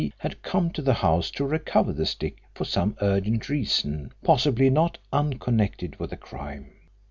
had come to the house to recover the stick for some urgent reason possibly not unconnected with the crime.